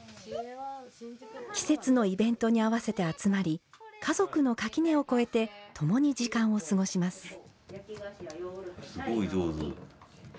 季節のイベントに合わせて集まり家族の垣根を超えて共に時間を過ごします。